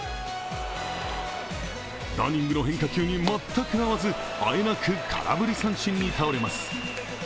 ダニングの変化球に全く合わずあえなく、空振り三振に倒れます。